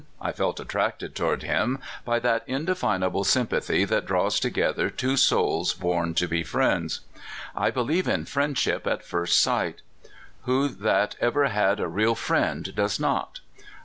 I felt attracted toward him by that in definable .sympathy that draws together two souls born to be friends. I believe in friendship at first sight. Who that ever had a real friend does not?